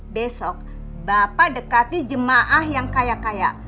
besok bapak dekati jemaah yang kaya kaya